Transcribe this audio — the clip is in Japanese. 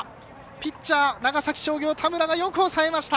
ピッチャー、長崎商業田村がよく抑えました。